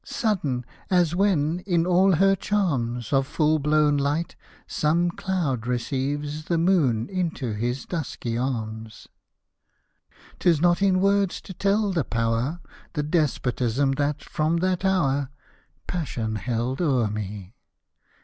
Sudden as when, in all her charms Of full blown light, some cloud receives The Moon into his dusky arms. Tis not in words to tell the power, The despotism that, from that hour Passion held o'er me.